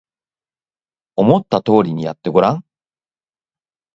思った通りにやってごらん